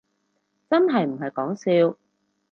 真係唔係講笑